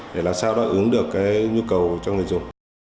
để làm sao đáp ứng được cái nhu cầu cho người dùng